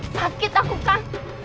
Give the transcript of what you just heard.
sakit aku kak